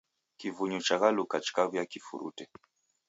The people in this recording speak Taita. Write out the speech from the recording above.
Kivunyu chaghaluka chikaw'uya kifurute